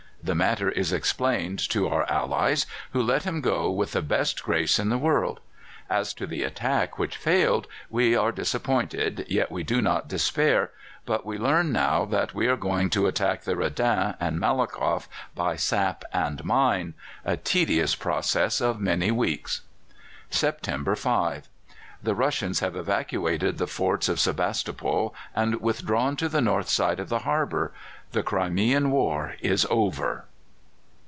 The matter is explained to our allies, who let him go with the best grace in the world. As to the attack which failed, we are disappointed, yet we do not despair; but we learn now that we are going to attack the Redan and Malakoff by sap and mine a tedious process of many weeks. "September 5. The Russians have evacuated the forts of Sebastopol and withdrawn to the north side of the harbour. The Crimean War is over!"